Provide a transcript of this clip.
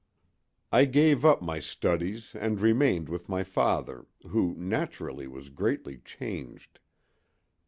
I gave up my studies and remained with my father, who, naturally, was greatly changed.